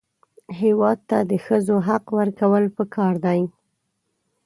هېواد ته د ښځو حق ورکول پکار دي